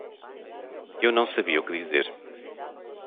Eu não sabia o que dizer.